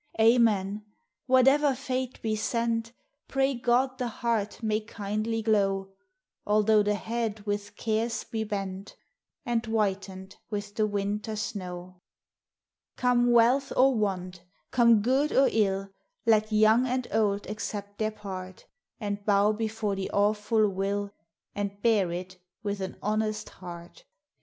Amen !— whatever fate be sent, Pray God the heart may kindly glow, Although the head with cares be bent, And whitened with the winter snow. SABBATH: WORSHIP; CREED., 250 Come wealth or waul, come good or ill, Let young and old accept their part, And bow before the awful will, And bear it with an honest heart.